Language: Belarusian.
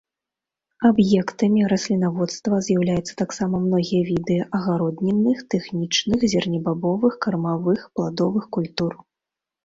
Аб'ектамі раслінаводства з'яўляюцца таксама многія віды агароднінных, тэхнічных, зернебабовых, кармавых, пладовых культур.